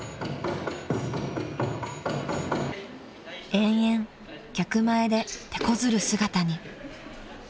［延々客前でてこずる姿に］